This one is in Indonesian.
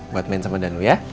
buat main sama danu ya